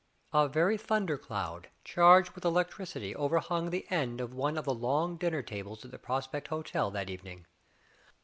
A very thunder cloud, charged with electricity, overhung the end of one of the long dinner tables in the Prospect Hotel that evening.